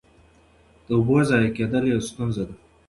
د اوبو ضایع کېدل یوه ستونزه ده.